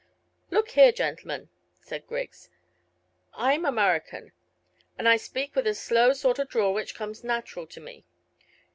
"Look here, gentlemen," said Griggs, "I'm Amurrican, and I speak with a slow sort of drawl which comes nat'ral to me.